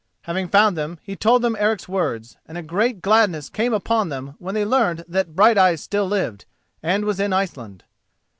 Having found them he told them Eric's words, and a great gladness came upon them when they learned that Brighteyes still lived, and was in Iceland.